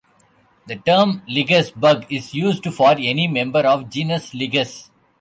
The term lygus bug is used for any member of genus "Lygus".